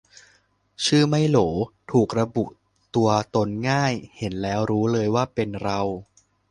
ชื่อไม่โหล ถูกระบุตัวตนง่าย เห็นแล้วรู้เลยว่าเป็นเรา